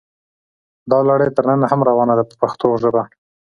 دا لړۍ تر ننه هم روانه ده په پښتو ژبه.